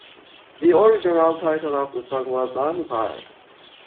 The original title of the song was "Honey Pie".